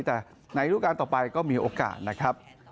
แต่ในรูปการณ์ต่อไปก็มีโอกาสนะครับ